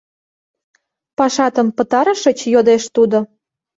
— Пашатым пытарышыч? — йодеш тудо.